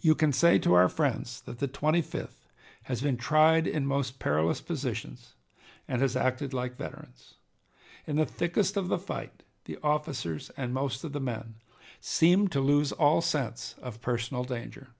You can say to our friends that the Twenty fifth has been tried in most perilous positions and has acted like veterans. In the thickest of the fight the officers and most of the men seemed to lose all sense of personal danger.